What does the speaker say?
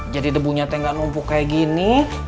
jadi debunya teh gak numpuk kayak gini